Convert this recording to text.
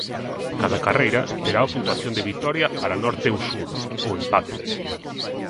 Cada carreira terá a puntuación de vitoria para Norte ou Sur, ou empate.